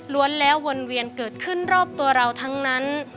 แล้ววนเวียนเกิดขึ้นรอบตัวเราทั้งนั้น